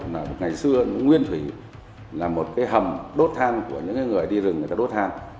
ngày xưa nguyên thủy là một cái hầm đốt than của những người đi rừng người ta đốt than